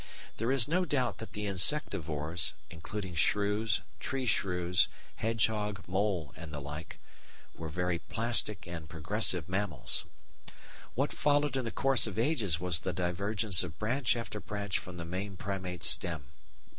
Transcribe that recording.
There is no doubt that the Insectivores (including shrews, tree shrews, hedgehog, mole, and the like) were very plastic and progressive mammals. What followed in the course of ages was the divergence of branch after branch from the main Primate stem.